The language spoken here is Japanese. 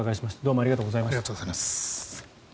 ありがとうございます。